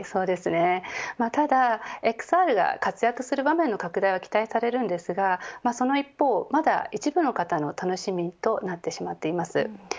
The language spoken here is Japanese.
ただＸＲが活躍する場面の拡大が期待されますがその一方まだ一部の方の楽しみとなってしまっています。